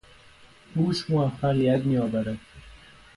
هوش موفقیت میآورد.